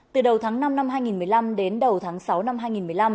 từ đầu tháng năm năm hai nghìn một mươi năm đến đầu tháng sáu năm hai nghìn một mươi năm